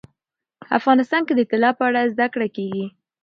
افغانستان کې د طلا په اړه زده کړه کېږي.